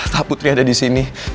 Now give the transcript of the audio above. tak putri ada disini